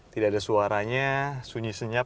tidak ada suaranya sunyi senyap